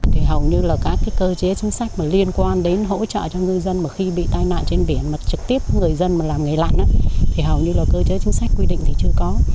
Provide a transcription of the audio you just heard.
thì hầu như là các cái cơ chế chính sách mà liên quan đến hỗ trợ cho ngư dân mà khi bị tai nạn trên biển mà trực tiếp người dân mà làm nghề lặn thì hầu như là cơ chế chính sách quy định thì chưa có